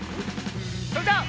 それじゃあ。